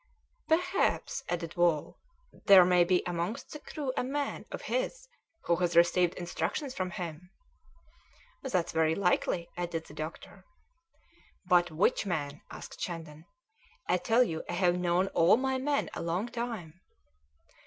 "Perhaps," added Wall, "there may be amongst the crew a man of his who has received instructions from him." "That's very likely," added the doctor. "But which man?" asked Shandon. "I tell you I have known all my men a long time."